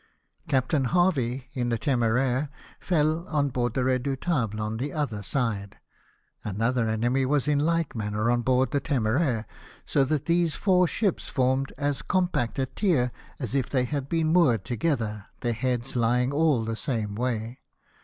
Captain Harvey, in the Temdraire, fell on board the Redoubtable on the other side. Another enemy was in like manner on board the Tenieraire ; so that these four ships formed as compact a tier as if they had been moored together, their heads lying all the same way.